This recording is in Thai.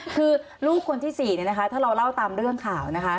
คือลูกคนที่๔ถ้าเราเล่าตามเรื่องข่าวนะคะ